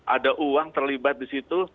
ada uang terlibat di situ